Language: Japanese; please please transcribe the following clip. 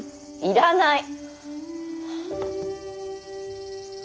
要らない！